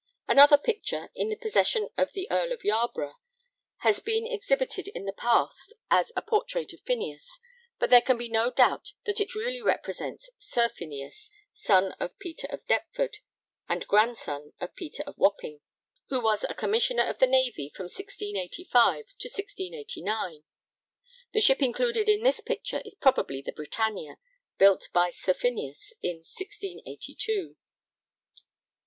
Another picture, in the possession of the Earl of Yarborough, has been exhibited in the past as a portrait of Phineas, but there can be no doubt that it really represents Sir Phineas (son of Peter of Deptford and grandson of Peter of Wapping), who was a Commissioner of the Navy from 1685 to 1689. The ship included in this picture is probably the Britannia, built by Sir Phineas in 1682. [Sidenote: Phineas Pett's Character.